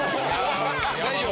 大丈夫？